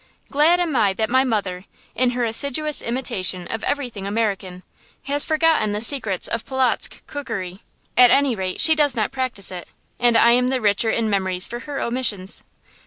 Glad am I that my mother, in her assiduous imitation of everything American, has forgotten the secrets of Polotzk cookery. At any rate, she does not practise it, and I am the richer in memories for her omissions.